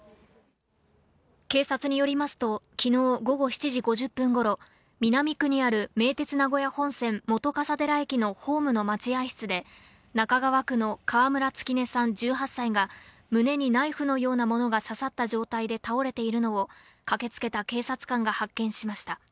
警察によりますと昨日午後７時５０分頃、南区にある名鉄名古屋本線・本笠寺駅のホームの待合室で中川区の川村月音さん、１８歳が胸にナイフのようなものが刺さった状態で倒れているのを駆けつけた警察官が発見しました。